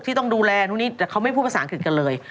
ต้องดูแลนู่นนี่แต่เขาไม่พูดภาษาอังกฤษกันเลย